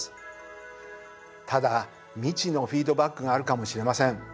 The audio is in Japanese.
ただ未知のフィードバックがあるかもしれません。